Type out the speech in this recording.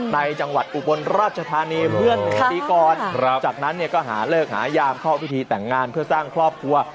ในจังหวัดอุบรรจทานีพรกฎตีกรจากนั้นเนี้ยก็หาเลิกหายามเข้าพฤทธิแต่งงานเพื่อสร้างครอบครัว